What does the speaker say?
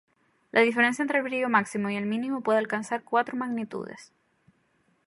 La diferencia entre el brillo máximo y el mínimo puede alcanzar cuatro magnitudes.